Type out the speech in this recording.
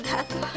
udah tuh nenun